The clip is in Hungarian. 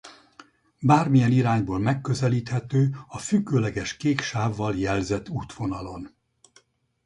Bármilyen irányból megközelíthető a függőleges kék sávval jelzett útvonalon.